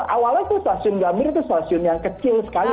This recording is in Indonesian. awalnya itu stasiun gambir itu stasiun yang kecil sekali